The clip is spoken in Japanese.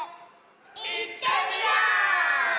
いってみよう！